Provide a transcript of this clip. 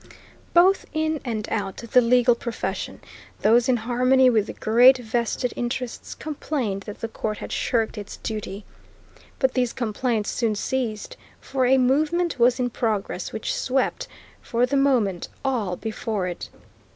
Both in and out of the legal profession, those in harmony with the great vested interests complained that the Court had shirked its duty. But these complaints soon ceased, for a movement was in progress which swept, for the moment, all before it.